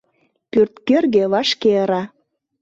Пӧрткӧргӧ вашке ыра.